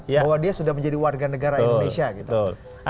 bahwa dia sudah menjadi warga negara indonesia gitu